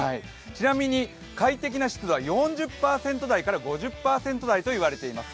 ちなみに快適な湿度は４０％台から５０％台と言われています。